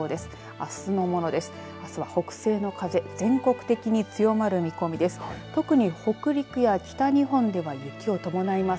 あすは北西の風全国的に強まる見込みです。